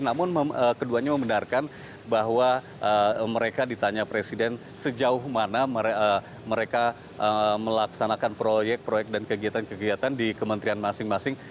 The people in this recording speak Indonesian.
namun keduanya membenarkan bahwa mereka ditanya presiden sejauh mana mereka melaksanakan proyek proyek dan kegiatan kegiatan di kementerian masing masing